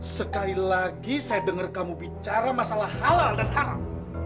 sekali lagi saya dengar kamu bicara masalah halal dan haram